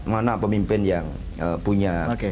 mana pemimpin yang punya kemampuan kemampuan kemampuan kemampuan